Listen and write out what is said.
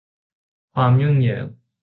ความยุ่งเหยิง